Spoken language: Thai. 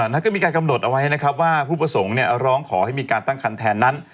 แล้วก็มีการกำหนดเอาไว้นะครับว่าผู้ประสงค์ร้องขอให้มีการตั้งคันแทนนั้น